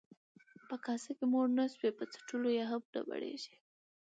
ـ په کاسه چې موړ نشوې، په څټلو يې هم نه مړېږې.